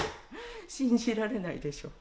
信じられないでしょ。